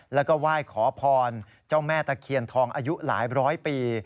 แล้วก็ไหว้ขอพรเจ้าแม่ตะเคียนทองอายุหลายร้อยปี